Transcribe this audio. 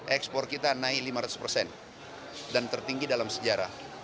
ekspor kita naik lima ratus persen dan tertinggi dalam sejarah